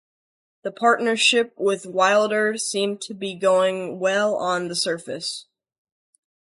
The partnership with Wilder seemed to be going well on the surface.